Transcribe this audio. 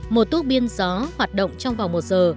một tuốc biên gió hoạt động trong vòng một giờ